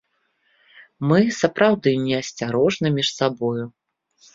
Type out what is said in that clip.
Мы сапраўды неасцярожны між сабою.